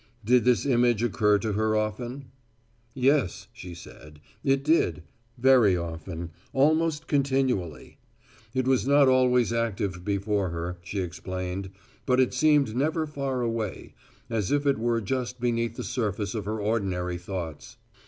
Did this image occur to her often? Yes, she said, it did very often, almost continually. It was not always actively before her, she explained, but it seemed never far away, as if it were just beneath the surface of her ordinary thoughts.